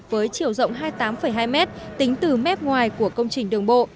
với chiều rộng hai mươi tám hai mét tính từ mép ngoài của công trình đường bộ